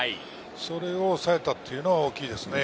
それを抑えたというのは大きいですね。